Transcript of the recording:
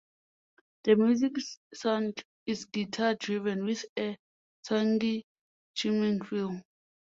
The music's sound is guitar-driven with a twangy, chiming feel.